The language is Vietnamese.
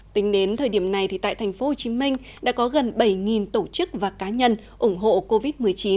tính đến thời điểm này tại tp hcm đã có gần bảy tổ chức và cá nhân ủng hộ covid một mươi chín